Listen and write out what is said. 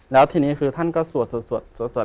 แล้วทีนี้คือท่านก็สวดสวดสวด